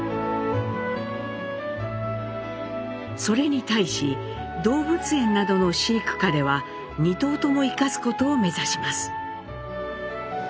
それに対し動物園などの飼育下では２頭とも生かすことを目指します。